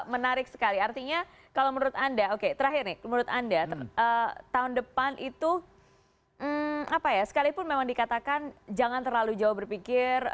menarik sekali artinya kalau menurut anda oke terakhir nih menurut anda tahun depan itu apa ya sekalipun memang dikatakan jangan terlalu jauh berpikir